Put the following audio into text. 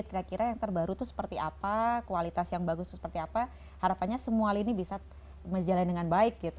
kira kira yang terbaru itu seperti apa kualitas yang bagus itu seperti apa harapannya semua lini bisa berjalan dengan baik gitu